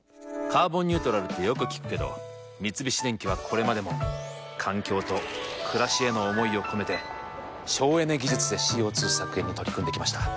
「カーボンニュートラル」ってよく聞くけど三菱電機はこれまでも環境と暮らしへの思いを込めて省エネ技術でＣＯ２削減に取り組んできました。